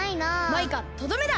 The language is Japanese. マイカとどめだ！